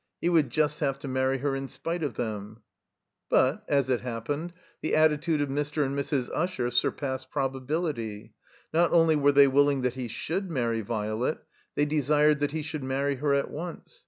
He would just have to marry her in spite of them. But, as it happened, the attitude of Mr. and Mrs. Usher stupassed probability. Not only were they willing that he should marry Violet, they desired that he should marry her at once.